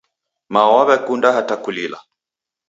Mao waw'ekunda hata kulila.